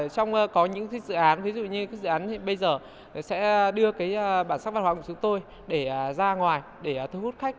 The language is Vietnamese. trong những dự án như dự án bây giờ sẽ đưa bản sắc văn hóa của chúng tôi ra ngoài để thu hút khách